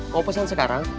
kok pesan sekarang